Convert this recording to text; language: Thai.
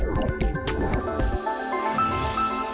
โปรดติดตามตอนต่อไป